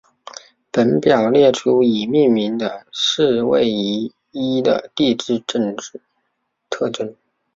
本表列出已命名的土卫一的地质特征。